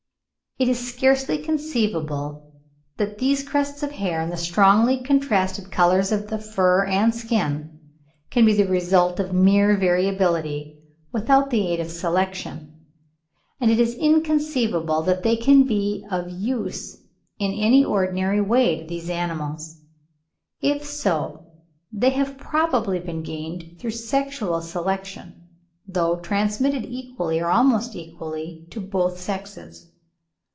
It is scarcely conceivable that these crests of hair, and the strongly contrasted colours of the fur and skin, can be the result of mere variability without the aid of selection; and it is inconceivable that they can be of use in any ordinary way to these animals. If so, they have probably been gained through sexual selection, though transmitted equally, or almost equally, to both sexes.